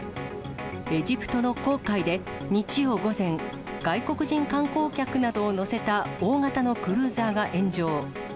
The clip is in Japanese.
エジプトの紅海で日曜午前、外国人観光客などを乗せた大型のクルーザーが炎上。